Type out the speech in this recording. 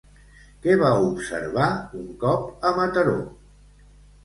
Què va observar, un cop a Mataró?